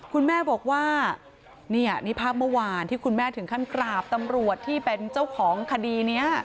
คุณแม่บอกว่านี่นี่ภาพเมื่อวานที่คุณแม่ถึงขั้นกราบตำรวจที่เป็นเจ้าของคดีนี้